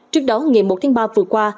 trước đó ngày một tháng ba vừa qua